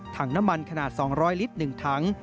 ถังน้ำมันขนาด๒๐๐ลิตร๑ถัง